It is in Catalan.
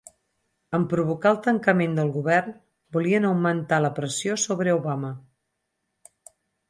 En provocar el tancament del govern volien augmentar la pressió sobre Obama.